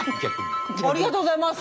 ありがとうございます。